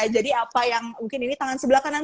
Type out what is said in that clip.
jadi apa yang mungkin ini tangan sebelah kanan